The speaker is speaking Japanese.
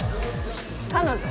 彼女？